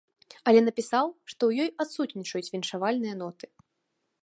Але напісаў, што ў ёй адсутнічаюць віншавальныя ноты.